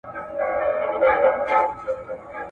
چي د ظلم په پیسو به دي زړه ښاد وي.